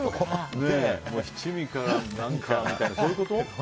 七味から何かみたいなそういうこと？